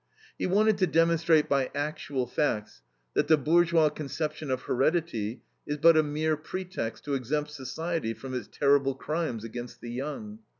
He wanted to demonstrate by actual facts that the bourgeois conception of heredity is but a mere pretext to exempt society from its terrible crimes against the young.